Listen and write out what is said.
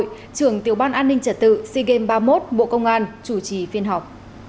trường tiểu ban an ninh trả tự sea games ba mươi một bộ công an chủ trì phiên họp